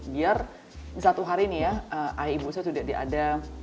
biar satu hari nih ya ayah ibu saya sudah diadam